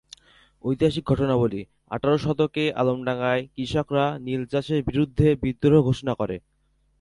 ঐতিহাসিক ঘটনাবলি আঠারো শতকে আলমডাঙ্গায় কৃষকরা নীলচাষের বিরুদ্ধে বিদ্রোহ ঘোষণা করে।